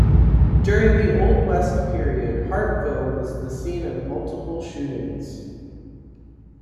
During the Old West period, Hartville was the scene of multiple shootings.